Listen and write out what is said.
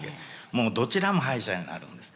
もうどちらも敗者になるんです。